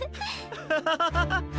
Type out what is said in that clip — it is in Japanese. アハハハハハ！